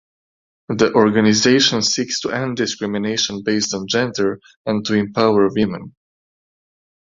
The organisation seeks to end discrimination based on gender and to empower women.